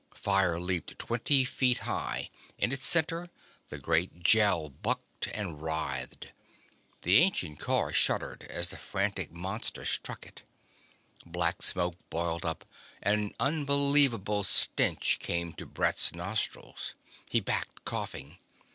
Fire leaped twenty feet high; in its center the great Gel bucked and writhed. The ancient car shuddered as the frantic monster struck it. Black smoke boiled up; an unbelievable stench came to Brett's nostrils. He backed, coughing.